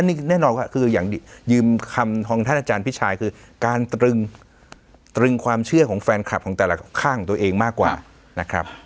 นี่แน่นอนก็คืออย่างยืมคำของท่านอาจารย์พี่ชายคือการตรึงตรึงความเชื่อของแฟนคลับของแต่ละข้างของตัวเองมากกว่านะครับ